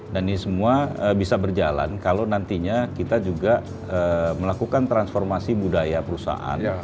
dan ini semua bisa berjalan kalau nantinya kita juga melakukan transformasi budaya perusahaan